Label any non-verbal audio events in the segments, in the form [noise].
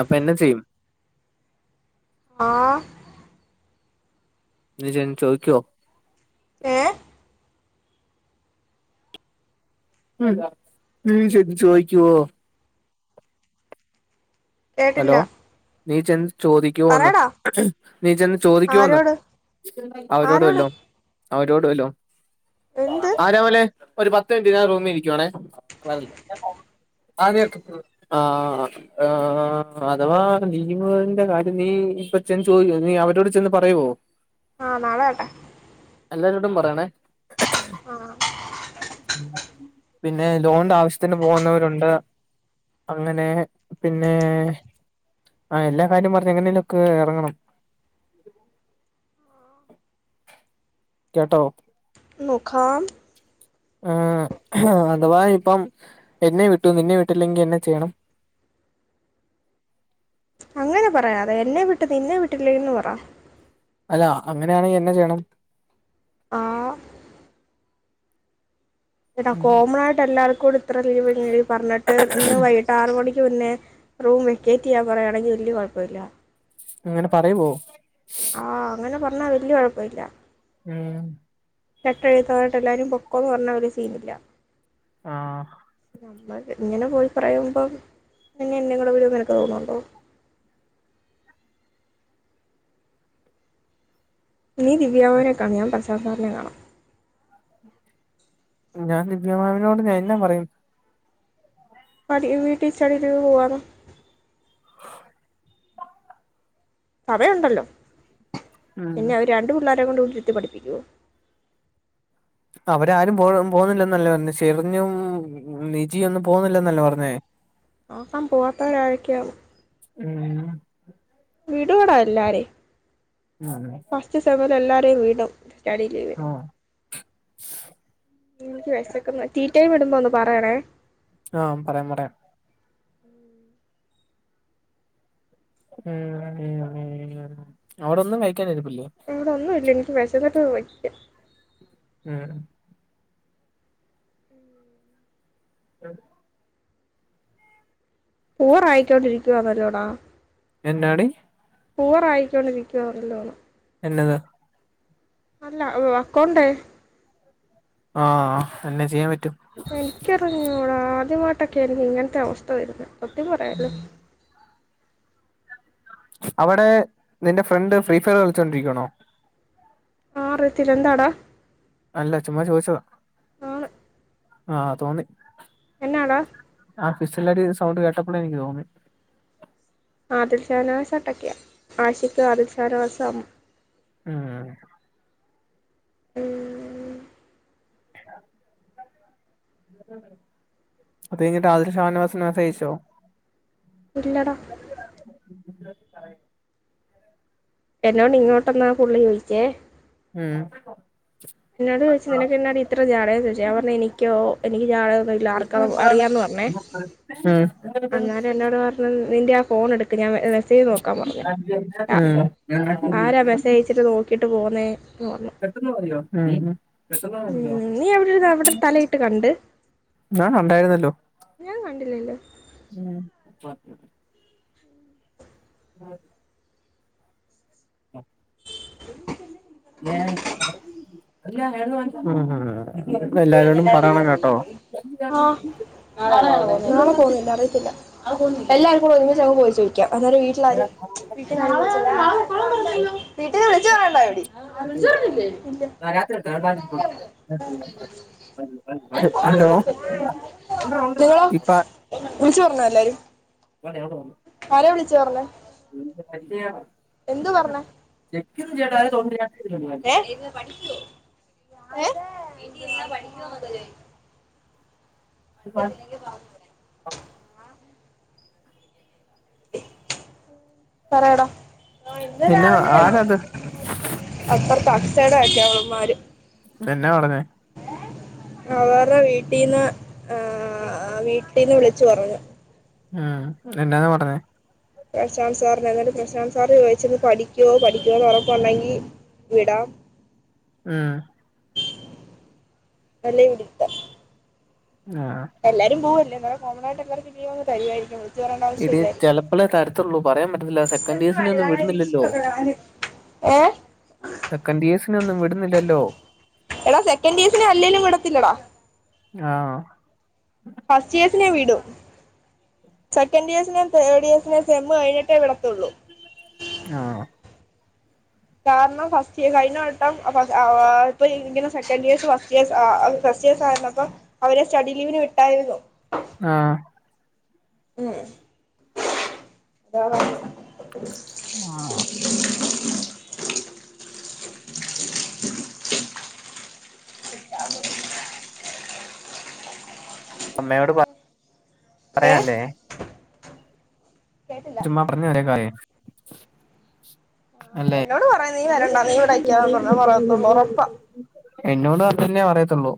അപ്പൊ എന്നാ ചെയ്യും ആഹ്.. നീ ചെന്ന് ചോയിക്ക്വോ? ഏഹ്?? ഉം ഉം ശരി ചോയിക്കുവോ? കേട്ടില്ല ഹലോ നീ ചെന്ന് ചോദിക്കുവോന്ന്, പറയടാ നീ ചെന്ന് ചോദിക്കുവോന്ന് ആരോട് അവരോട് ആരോട് വല്ലോം. അവരോട് വല്ലോം എന്ത് ആരോമലേ ഒരു പത്ത് മിനിറ്റ് ഞാൻ റൂമീരിക്കുവാണേ ആഹ് നീയെട്ത്തോ ആഹ് ആഹ് അഥവാ നീ [unintelligible] ന്റെ കാര്യം നീ ഇപ്പ ചെന്ന് ചോയി നീ അവരോട് ചെന്ന് പറയുവോ? ആഹ് നാളാവട്ടെ. എല്ലാരോടും പറയണേ. ആ പിന്നെ ലോണ്ന്റെ ആവശ്യത്തിന് പോവ്ന്നവരുണ്ട് അങ്ങനെ പിന്നേ ആഹ് എല്ലാ കാര്യം പറഞ്ഞ് എങ്ങനേലും ഒക്കേ എറങ്ങണം. കേട്ടോ? നോക്കാം. ആഹ് അഥവാ ഇപ്പം എന്നെ വിട്ടു നിന്നെ വിട്ടില്ലെങ്കി എന്ന ചെയ്യണം? അങ്ങനെ പറയാതെ എന്നെ വിട്ട് നിന്നെ വിട്ടില്ലേന്ന് പറ. അല്ല അങ്ങനാണെ എന്ന ചെയ്യണം? ആഹ് എടാ ഉം കോമണായിട്ട് എല്ലാർക്കൂടി ഇത്ര ലീവ് [unintelligible] പറഞ്ഞിട്ട് ഇന്ന് വൈട്ട് ആറ് മണിക്ക് മുന്നേ റൂം വെക്കേറ്റെയ്യാൻ പറയാണെങ്കി വല്ല്യ കൊഴപ്പവില്ല. അങ്ങനെ പറയുവോ? ആഹ് അങ്ങനെ പറഞ്ഞാ വല്ല്യ കൊഴപ്പവില്ല. ഉം. ചട്ടഴുത്തായിട്ട് എല്ലാരും പൊക്കോ എന്ന് പറഞ്ഞാ ഒരു സീനില്ല ആഹ് നമ്മൾ ഇങ്ങനെ പോയി പറയുമ്പോ അന്നെ ഇന്നേ കൂടി വിടുന്നു നിനക്ക് തോന്നുന്നുണ്ടോ നീ ദിവ്യാ മാമിനെ ക്കാണ് ഞാൻ [unintelligible] നെ കാണാം ഞാൻ ദിവ്യമാമിനോട് എന്നാ പറയും [unintelligible] വീട്ടി സ്റ്റഡി ലീവ് പോവാന്ന് സമയുണ്ടല്ലോ ഉം പിന്നെ അവര് രണ്ടു പിള്ളേരെ കൊണ്ട് വീട്ടിരുത്തി പഠിപ്പിക്കുവോ അവരാരും പോ പോകുന്നില്ലന്നല്ലേ പറഞ്ഞെ ഷെറിനും നിജിയും ഒന്നും പോകുന്നില്ലെന്നല്ലേ പറഞ്ഞേ ആകാം പോവാത്തവർ ആആരൊക്കെയാ ഉം വീടുവോടാ എല്ലാരേം അതെ ഉച്ച സമയത്ത് എല്ലരെയും വിടും സ്റ്റഡി ലീവ് എനിക്ക് വിശക്കന്ന് ടീ ടൈം വിടുമ്പോന്ന് പറയണേ ആഹ് പറയാം പറയാം ഉം ഉം ഉം അവിടൊന്നും കഴിക്കാൻ ഇരിപ്പില്ലേ അവിടെ ഒന്നും ഇല്ല എനിക്ക് വെശന്നിട്ട് വയ്യ ഉം ആഹ് ബോറായി ക്കൊണ്ടിരിക്കുവാന്നല്ലോടാ എന്നാടി ബോറായി കൊണ്ടിരിക്കുവാന്നല്ലോണ് എന്നത് അല്ല അക്കോണ്ട് ആഹ് എന്ന ചെയ്യാൻ പറ്റും എനിക്കറിഞ്ഞൂടാ ആദ്യമായിട്ടൊക്കെ എനിക്ക് ഇങ്ങനത്തെ അവസ്ഥ വരുന്നെ സത്യം പറയല്ലോ ഉം അവിടെ നിന്റെ ഫ്രണ്ട് ഫ്രീ ഫയർ കളിച്ചൊണ്ടിരിക്കണോ ആഹ് അറിയത്തില്ല എന്താടാ? അല്ല ചുമ്മാ ചോദിച്ചതാ ആണ് ആഹാ തോന്നി. എന്നാടാ? ആഹ് ഫിസ്ലെടി സൗണ്ട് കേട്ടപ്പളേ ഇൻക്ക് തോന്നി. ആദൽശാനവാസട്ടക്കെയ ആശിക്ക് ആതിൽശാനവാസം ആഹ് ഉം ഹലോ? അത് കഴിഞ്ഞിട്ട് ആതില് ഷാനവാസ്ന് [unintelligible] ഇല്ലട എന്നോണ്ട് ഇങ്ങോട്ടൊന്നാ ഫുള്ള് ചോദിച്ചേ. ഉം എന്നോട് ചോയിച്ച് നിനക്ക് എന്നാടി ഇത്ര ജാട ചോയിച്ചു ഞാൻ പർഞ്ഞ് എനിക്കോ എനിക്ക് ജാടൊന്നുംല്ല ആർക്ക അറിയാന്ന് പർഞ്ഞേ. ഉം എന്നോട് പർഞ്ഞ് നിന്റെ ആഹ് ഫോൺ എട് ആ- ഉം ആരാ മെസ്സേജ് അയച്ചിട്ട് നോക്കിട്ട് പോകുന്നേ ന്ന് പർഞ്ഞു. [unintelligible] മതിയോ ഉം ഉം, നീ അവിടെ ഇരുന്ന് അവിടെ തലയിട്ട് കണ്ട് ഉം [unintelligible] ഉണ്ടായിരുന്നല്ലോ. ഞാൻ കണ്ടില്ലല്ലോ? ഉം ഉം ആഹ് [unintelligible] ഉം ഉം ഉം എല്ലാരോടും പറണേ കേട്ടോ? നാളെ [unintelligible] നാളെ പോവുന്നില്ല അറിയത്തില്ല. നാളെ പോവുന്നില്ലെ? എല്ലാർക്കും കൂടെ ഒരുമിച്ചങ്ങ് പോയി ചോയിക്കാം അന്നേരം വീ ട്ടിലാരും [inaudible] [unintelligible] പർഞ്ഞില്ലെ? ഇല്ലാ. [unintelligible] [inaudible] ഹലോ ഇപ്പ ചോറ്ന്നാ എല്ലാരും. [unintelligible] ആരെ വിളിച്ച് പറഞ്ഞേ? [unintelligible] എന്തു പർഞ്ഞേ? [unintelligible] ഏഹ് ഇരുന്ന് പാടിക്കോ? ഏഹ് വീട്ടിയിരുന്നാ പഠിക്കോന്നൊക്കെ ചോയി [unintelligible] പറയെടാ ആഹ് ഇന്ന് എന്നാ രാവിലെ ആരാത് അപ്പർത്തെ അച്ചേടെ അക്കെ അവള്മാര്. എന്നാ പറഞ്ഞേ? അവരേ വീട്ടീന്ന് ആഹ് വീട്ടീന്ന് വിളിച്ച് പറഞ്ഞു. ആഹ് എന്നാന്ന പറഞ്ഞേ? പ്രശാന്ത്‌ സാറിനെ എന്നിട്ട് പ്രശാന്ത് സാർ ചോയിച്ചത് പഠിക്കോ പഠിക്കോന്ന് ഒറപ്പൊണ്ടെങ്കി വിടാം. ആഹ് വെല ഇര്ത്തം ന്ആഹ് എല്ലാരും പൂവല്ലെ അന്നേരം കോമണായിട്ട് എല്ലർക്കും ലീവങ്ങ് തരുവായിരിക്കും കേറേണ്ടാവശ്യം എടി ഇല്ലായിരിക്കും ചെലപ്പളേ തരത്തുള്ളൂ പറയാൻ പറ്റത്തില്ല സെക്കൻഡ് ഇയേഴ്സിനെ ഇതെത്തുവാടി ഒന്നും താഴെ വിടുന്നില്ലല്ലോ ലിപ്സ്റ്റിക്ക് ഒക്കെ കളഞ്ഞ്ക്ക്ണ് ഏഹ് സെക്കന്റിയേഴ്സിനെ ഒന്നും വിട്ന്നില്ലല്ലോ എടാ സെക്കന്റിയേസിനെ അല്ലേലും വിടത്തില്ലെടാ ആവൊ ഫസ്റ്റിയേസിനെ വിടും സെക്കന്റിയേസിനേം തേർഡിയേസിനേം സെമ്മ് കഴിഞ്ഞിട്ടേ വിടത്തൊള്ളൂ ആവൊ കാരണം ഫസ്റ്റിയേസ് കഴിഞ്ഞവട്ടം അഫസ് ആഹ് ഇപ്പൊ ഇങ്ങനെ സെക്കന്റിയേസ് ഫസ്റ്റിയേസ് ആഹ് ഫസ്റ്റിയേസായിര്ന്നപ്പൊ അവരെ സ്റ്റഡിലീവിന് വിട്ടായിരുന്നു ആഹ് ഉം അസ്സലാമുഅലൈക്കും ഇന്നാഹ ലോ അമ്മയോട് പ ഏ പറയാല്ലേ കേട്ടില്ല ചുമ്മാ പറഞ്ഞേ ഒരെ കാര്യേ ആ അല്ലെ എന്നോട് പറയാ നീ ഇന്നോടും വരണ്ട നീ ഇവിടെ നിക്കാതെ പറഞ്ഞാ പറയത്തുള്ളൂ ഉറപ്പാ [unintelligible] എന്നോടും അതന്നെ പറയത്തൊള്ളൂ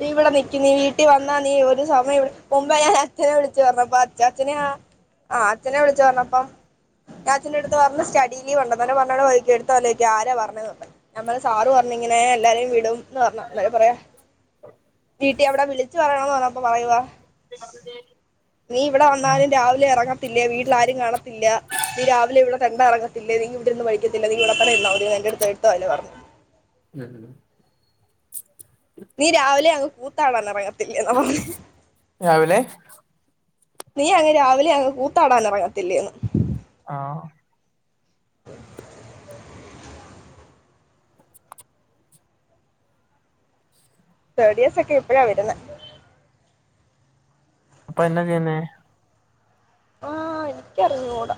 നീ ഇവടെ നിക്ക് നീ വീട്ടി വന്നാ നീ ഒരു സമയം ഇവെടെ കുമ്പേ ഞാനച്ഛനെ വിളിച്ചു പർണപ്പൊ അഛാച്ചനെഹാ ആഹ് അച്ഛനെ വിളിച്ചു പർണപ്പം ഞാ അച്ഛന്റെട്ത്ത് പർണ് സ്റ്റഡീലീവുണ്ടെന്ന് അങ്ങനെ പറർണേരം ചോയിക്യാ എട്ത്തപോല്ലെ ചോയിക്കാ ആരാ പർണതെന്ന് ഞാം പർണ് സാറ് പറണ് ഇങ്ങനെ എല്ലാരേം വിടുംന്ന് പർണു ഇന്നാലെ പറയാ വീട്ടിയാ അവടെ വിളിച്ച് പറയണംന്ന് പർണപ്പാെ പറയുവാ നീ ഇവടെ ആ. വന്നാലും രാവിലെ എറങ്ങത്തില്ലേ വീട്ടില് ആരും കാണത്തില്ല നീ രാവിലെ ഇവിടെ തെണ്ടാ എറങ്ങത്തില്ലേ നിങ് ഇവെടെര്ന്ന് പഠിക്കത്തില്ല നി ഇവടെ തന്നെ ഇര്ന്നാമതി എന്റട്ത്തെ ഇട്ത്ത വായിലെ പറഞ്ഞു ഞാൻ കണ്ടു നീ രാവിലെ അങ്ങ് കൂത്താടാന് എറങ്ങത്തില്ലേന്നും പറഞ്ഞു രാവിലെ നീ അങ്ങ് രാവിലെ അങ് കൂത്താടാൻ എറങ്ങത്തില്ലേന്ന് ആഹ് തേഡ്ഇയേസെക്കെ ഇപ്പഴാ വെര്ന്നെ അപ്പൊ എന്നാ ചെയ്യ്ന്നേ ആഹ് എനിക്കറിഞ്ഞൂട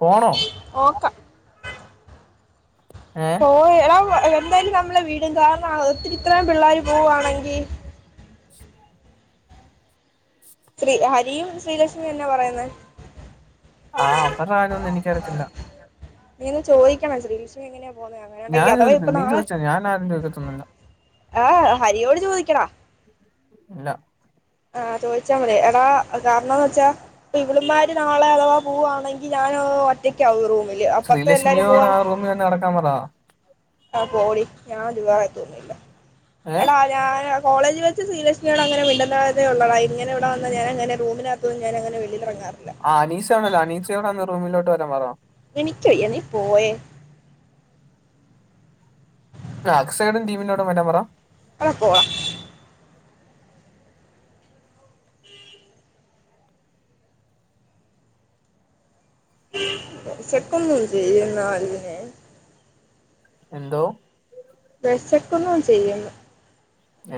പോണോ ഓക്ക ഏഹ് ഓഹ് എടാ എന്തായാലും നമ്മളെ വിടും കാരണം ഒത്തിരി ഇത്രയും പിള്ളേര് പുവ്വാണെങ്കി ശ്രീ ഹരിയും ശ്രീലക്ഷ്മിയും എന്നാ പറയ്ന്നേ ആഹ് അപ്പം ചുടാനൊന്നും എനിക്കറിയത്തില്ല നീ ഒന്ന് ചോയിക്കണം ശ്രീലക്ഷ് മി എങ്ങനെയാ പോവുന്നേ അങ്ങനെയാണ്ടെ ഈ ഞാൻ അഥവാ ഇപ്പൊ ചോദിക്കത്തില്ല നീ നാളെ ചോദിച്ചോ ഞാൻ ആരും ചോദിക്കത്തൊന്നുമില്ല ആ ഹരിയോട് ചോദിക്കണ ഇല്ല ആ ചോദിച്ചാ പറിം എടാ കാരണംന്ന് വെച്ചാ? ഇപ്പ ഇവളമാര് നാളെ അഥവാ പോവാണെങ്കിൽ ഞാൻ ഒറ്റയ്ക്കാവക റൂമില് അപ്പത്തെ എല്ലാരും ശ്രീലക്ഷ്മിയോട് പോവാ ആ റൂമിൽ തന്നെ നട [unintelligible] ആ പോടീ ഞാൻ [unintelligible] ഏ അ ഞാ കോളജ് വെച്ച് സീനിയസയോട് അങ്ങനെ മിണ്ടുന്ന ഉള്ളതാ ഇങ്ങനെ ഇവിടെ വന്ന ഞാങ്ങനെ റൂമി ഇപ്പ ഞാനങ്ങന വെളിലറങ്ങറില്ല. ആ അനീഷ ആണല്ലോ അനീച്ചോട് അന്ന് റൂമിലോട്ട വരാ പറഞ എനിക്കയ്യ നി പോയെ ആ അക്സൈഡ ടിമിനോടും വരൻ പറ. എടാ പോടാ [unintelligible] എന്തോ? വിശക്കുന്നു ചെയ്യുന്നു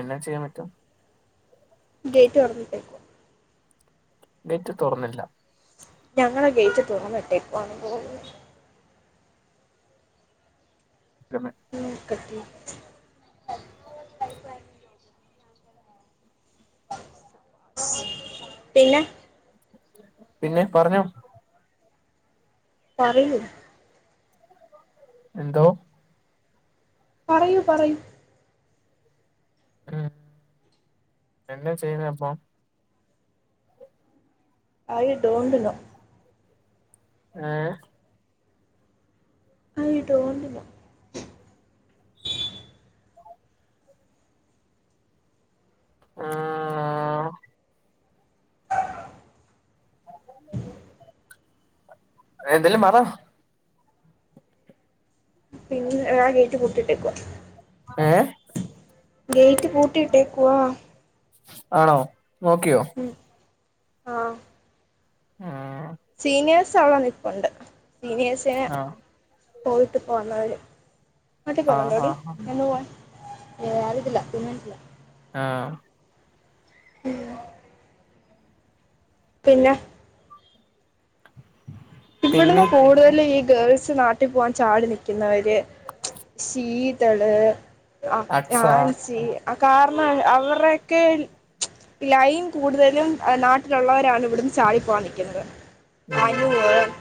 എന്നാ ചെയ്യാൻ പറ്റും? ഗേറ്റ് തൊറന്നിട്ടുക്കാ ഗെറ്റ് തുറന്നില്ല. ഞങ്ങളെ ഗേറ്റ് തുറന്നിട്ടേക്ക പോ തന്നെ [unintelligible] പിന്നെ പിന്നെ പറഞ്ഞോ. പറിയു എന്തോ? പറയൂ പറയൂ. ഉം എന്താ ചെയ്യുന്ന പ്പൊ? I don't know. ഏ ഐ ഡോണ്ട് നോ. ആഹ് എന്തെല്ല പറ പിന്നെ ഇടെ ഗേറ്റ് പൂട്ടിട്ടേക്കുവ ഏഹ് ഗെയിറ്റ് പൂട്ടിട്ടേക്കുവാ ആണോ നോക്കിയോ ഉം ആഹ് ആഹ് സീനിയേഴസ് അവിടെ നിപ്പുണ്ട് സീനിയേഴ്സിനേ ആഹ് പോയിട്ട് പോന്നര് മാട്ടി ആഹ് പോകണ്ടോടി ആഹ് എന്ന പോവാ ഏ അറിയത്തില്ല തീരുമാനിച്ചില്ല ആഹ് ഉം പിന്നെ ഇവിടുന്ന് പിന്നെ കൂടുതലും ഈ ഗേൾസ് നാട്ടിൽ പോകാൻ ചാടി നിൽക്കുന്നവര് ശീത് ത്തള് അക്സ ആൻസി ആ കാരണം അവരൊക്കെ ലൈൻ കൂടുതലും നാട്ടിലുള്ളവരാണ് ഇവിടുന്ന് ചാടി പോവാ നിൽക്കുന്നത് ഉം [unintelligible]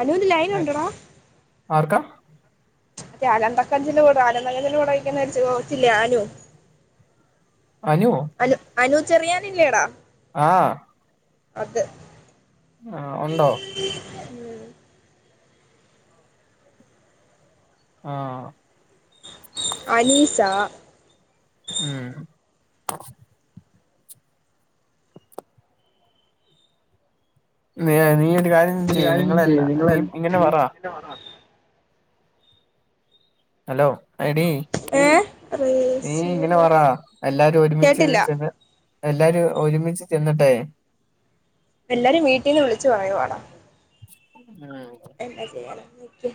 അനൂന് ലൈൻ ഉണ്ടടാ ആർക്കാ മറ്റേ അലന്തക്കഞ്ചിൽ കൂട ആലന്തക്കഞ്ചിൽ കൂടെ ഇരിക്കുന്ന [unintelligible] അനു അനോ അനു അനു ചെറിയാനില്ലേടാ ആഹ് അത് ആഹ് ഉണ്ടോ ഉം ആഹ് അനീസ ഉം നീ നീ ഒരു കാര്യം ചെയ്യ് നിങ്ങളൊ നീ ഇങ്ങനെ പറ [unintelligible] ഹലോ എടി ഏ നീ ഇങ്ങനെ റിസീവർ പറാ എല്ലാരും ഒരുമിച്ച് കേട്ടില്ല ചെന്ന് എല്ലാരും ഒരുമിച്ച് ചെന്ന്ട്ടെ എല്ലാരും വീട്ടീന്ന് വിളിച്ച് പറയുവാടാ ഉം എന്താ ചെയ്യാനാ നിക്ക്